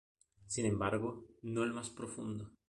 Sin embargo, no el más profundo.